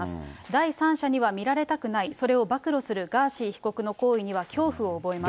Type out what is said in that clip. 第三者には見られたくない、それを暴露するガーシー被告の行為には恐怖を覚えます。